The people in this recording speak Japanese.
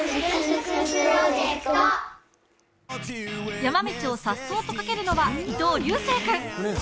山道をさっそうと駆けるのは伊藤隆聖君。